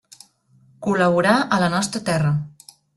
Col·laborà a La Nostra terra.